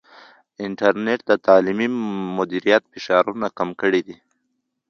انټرنیټ د تعلیمي مدیریت فشارونه کم کړي دي.